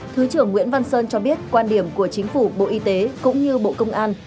thứ trưởng nguyễn văn sơn cho biết quan điểm của chính phủ bộ y tế cũng như bộ công an